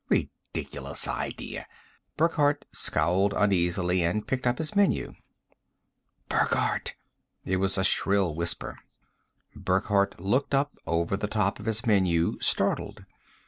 Ridiculous idea. Burckhardt scowled uneasily and picked up his menu. "Burckhardt!" It was a shrill whisper. Burckhardt looked up over the top of his menu, startled.